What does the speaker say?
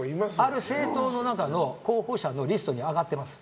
ある政党の中の候補者のリストに挙がってます。